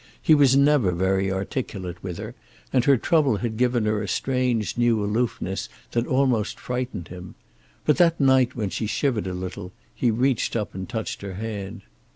He was never very articulate with her, and her trouble had given her a strange new aloofness that almost frightened him. But that night, when she shivered a little, he reached up and touched her hand.